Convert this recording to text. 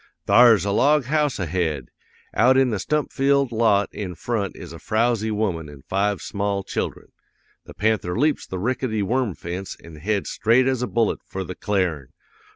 "'Thar's a log house ahead; out in the stump filled lot in front is a frowsy woman an' five small children. The panther leaps the rickety worm fence an' heads straight as a bullet for the cl'arin!